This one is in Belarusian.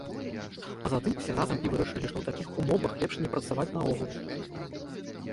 А затым усе разам і вырашылі, што ў такіх умовах лепш не працаваць наогул.